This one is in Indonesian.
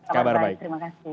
kabar baik terima kasih